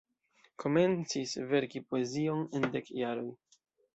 Komencis verki poezion en dek jaroj.